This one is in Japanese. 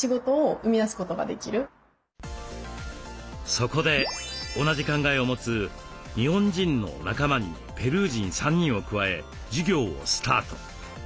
そこで同じ考えを持つ日本人の仲間にペルー人３人を加え事業をスタート。